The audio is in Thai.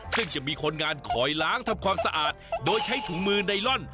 ซึ่งจะมีคนงานคอยล้างทำความสะอาดโดยใช้ถุงมือไดลอน